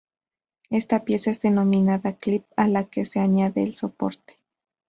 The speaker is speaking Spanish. Esta pieza es denominada "clip", a la que se añade el soporte.